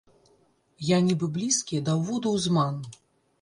Я нібы блізкі да ўводу ў зман.